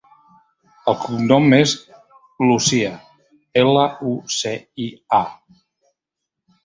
El cognom és Lucia: ela, u, ce, i, a.